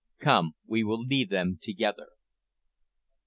Come, we will leave them together."